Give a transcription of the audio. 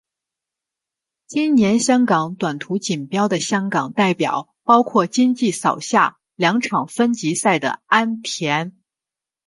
今年香港短途锦标的香港代表包括今季扫下两场分级赛的安畋。